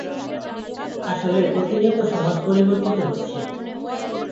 আসলে প্রতিনিয়ত সমাজ পরিবর্তিত হচ্ছে।